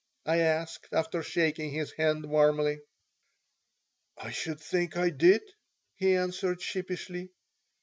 I asked, after shaking his hand warmly. "I should think I did," he answered, sheepishly.